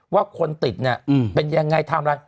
ว่าคนติดเป็นยังไงทำละ